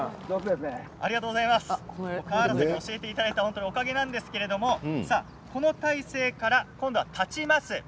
川原さんに教えていただいたおかげなんですけれどもこの体勢から今度は立ちます。